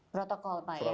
protokol pak ya